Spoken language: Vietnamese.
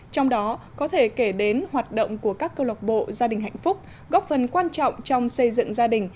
trong đó có thể kể đến hoạt động của các câu lọc bộ gia đình hạnh phúc góp phần quan trọng trong xây dựng gia đình